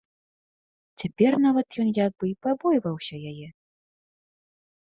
Цяпер нават ён як бы і пабойваўся яе.